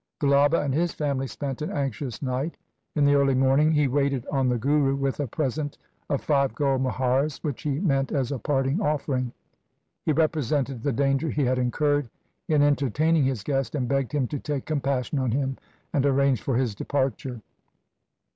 Gulaba and his family spent an anxious night. In the early morning he waited on the Guru with a present of five gold muhars, which he meant as a parting offering. He represented the danger he had incurred in entertaining his guest, and begged him to take compassion on him and arrange for his departure.